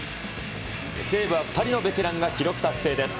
西武は２人のベテランが記録達成です。